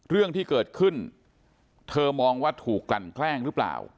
เรื่องที่เกิดขึ้นเธอมองว่าถูกกลั่นแกล้งหรือเปล่า